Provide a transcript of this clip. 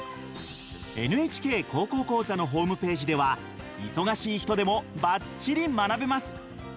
「ＮＨＫ高校講座」のホームページでは忙しい人でもばっちり学べます。